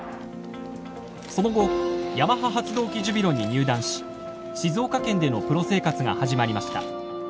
その後ヤマハ発動機ジュビロに入団し静岡県でのプロ生活が始まりました。